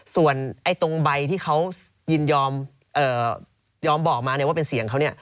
ส่วนตรงใบที่เขายินยอมบอกมาว่าเป็นเสียงเขาเนี่ย